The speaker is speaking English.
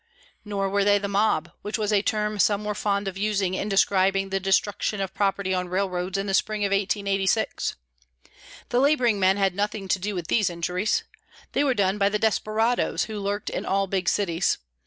Neither were they the mob, which was a term some were fond of using in describing the destruction of property on railroads in the spring of 1886. The labouring men had nothing to do with these injuries. They were done by the desperadoes who lurked in all big cities.